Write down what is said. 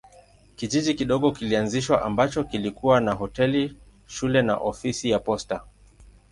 Kijiji kidogo kilianzishwa ambacho kilikuwa na hoteli, shule na ofisi ya posta.